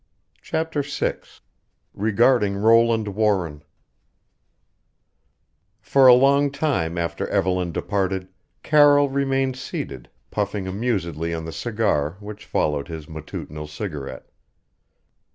CHAPTER VI REGARDING ROLAND WARREN For a long time after Evelyn departed, Carroll remained seated, puffing amusedly on the cigar which followed his matutinal cigarette.